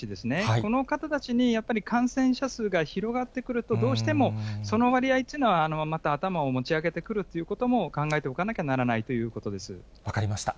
この方たちにやっぱり感染者数が広がってくると、どうしてもその割合というのは、また頭を持ち上げてくるということも考えておかなきゃならないと分かりました。